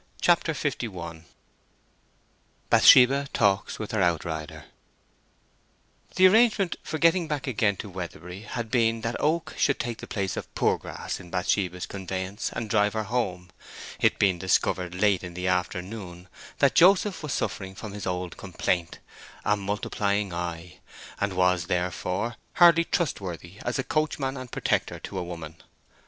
CHAPTER LI BATHSHEBA TALKS WITH HER OUTRIDER The arrangement for getting back again to Weatherbury had been that Oak should take the place of Poorgrass in Bathsheba's conveyance and drive her home, it being discovered late in the afternoon that Joseph was suffering from his old complaint, a multiplying eye, and was, therefore, hardly trustworthy as coachman and protector to a woman.